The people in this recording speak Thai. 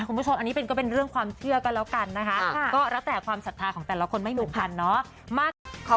คุณผู้ชมอันนี้ก็เป็นเรื่องความเชื่อกันแล้วกันนะคะ